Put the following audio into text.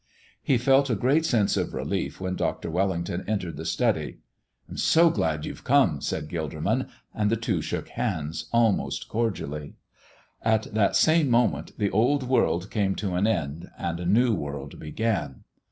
He felt a great sense of relief when Dr. Wellington entered the study. "I'm so glad you've come," said Gilderman, and the two shook hands almost cordially. At that same moment the old world came to an end and a new world began.